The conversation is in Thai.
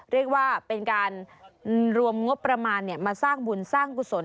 เรียกว่าเป็นการรวมงบประมาณมาสร้างบุญสร้างกุศล